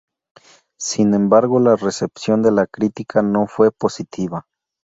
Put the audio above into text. Sin embargo la recepción de la crítica no fue positiva.